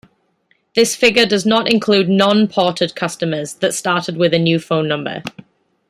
This figure does not include "non-ported" customers that started with a new phone number.